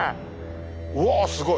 うわすごい！